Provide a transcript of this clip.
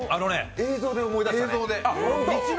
映像で思い出したの。